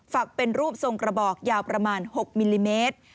ักเป็นรูปทรงกระบอกยาวประมาณ๖มิลลิเมตร